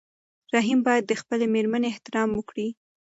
رحیم باید د خپلې مېرمنې احترام وکړي.